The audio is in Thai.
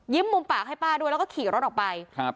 มุมปากให้ป้าด้วยแล้วก็ขี่รถออกไปครับ